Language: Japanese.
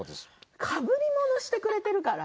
かぶりものをしてくれているから。